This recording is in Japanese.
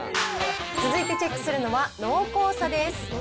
続いてチェックするのは、濃厚さです。